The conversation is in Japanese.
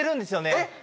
えっ！